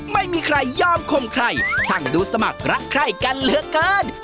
ไม่ยอมคมใครช่างดูสมัครรักใคร่กันเหลือเกิน